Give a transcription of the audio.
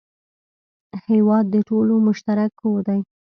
هېواد د ټولو مشترک کور دی.